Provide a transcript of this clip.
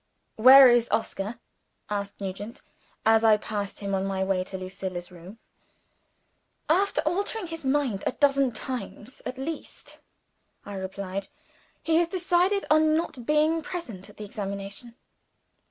"Where is Oscar?" asked Nugent, as I passed him on my way to Lucilla's room. "After altering his mind a dozen times at least," I replied, "he has decided on not being present at the examination."